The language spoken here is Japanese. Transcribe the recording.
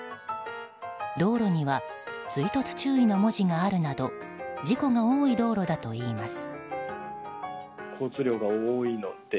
道路には「追突注意」の文字があるなど事故が多い道路だといいます。